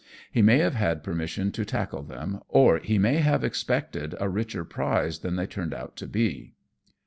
He may have had per mission to tackle them ; or he may have expected a richer prize than they turned out to be.